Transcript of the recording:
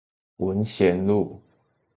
文賢路